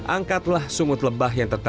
angkatlah sungut lebah yang tertanjik